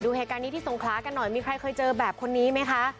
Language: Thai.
เหตุการณ์นี้ที่สงขลากันหน่อยมีใครเคยเจอแบบคนนี้ไหมคะ